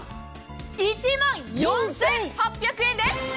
１万４８００円です。